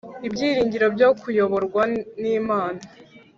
Ibyiringiro byo kuyoborwa n'Imana